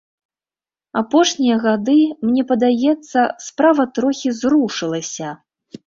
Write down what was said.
Апошнія гады, мне падаецца, справа трохі зрушылася.